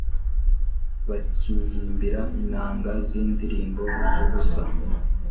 bakihimbira inanga z’indirimbo z’ubusa,